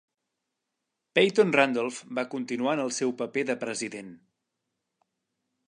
Peyton Randolph va continuar en el seu paper de president.